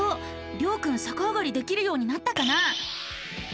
りょうくんさかあがりできるようになったかな？